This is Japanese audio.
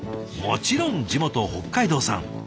もちろん地元北海道産。